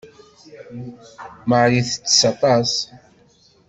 Marie tettess aṭas.